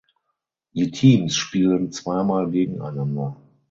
Die Teams spielen zweimal gegeneinander.